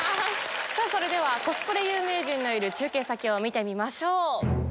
ではコスプレ有名人のいる中継先を見てみましょう。